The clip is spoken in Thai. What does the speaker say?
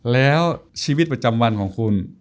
แล้วชีวิตประจำวันของคุณ